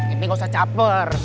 ini gak usah caper